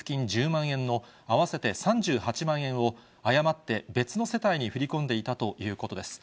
１０万円の合わせて３８万円を、誤って別の世帯に振り込んでいたということです。